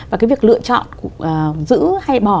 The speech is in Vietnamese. và cái việc lựa chọn giữ hay bỏ